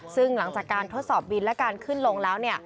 ซึ่งหลังจากการทดสอบบินและการขึ้นลงแล้ว